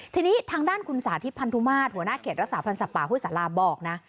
ทีนี้ทางด้านคุณสาธิตพันธุมาตรหัวหน้าเขตรักษาพันธ์สัตว์ป่าห้วยสาราบอกนะ